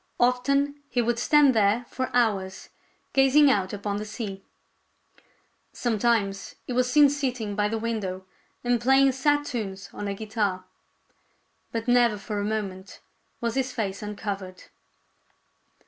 Often he would stand there for hours, gazing out upon the sea. Sometimes he was seen sitting by the window and playing sad tunes on a guitar. But never for a moment was his face uncovered.